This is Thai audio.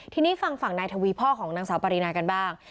ทีนี้ฟังฝั่งนายทวีพ่อของนางสาวปรินากันบ้าง